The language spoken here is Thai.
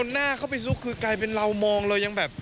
หน้าเข้าไปซุกคือกลายเป็นเรามองเรายังแบบ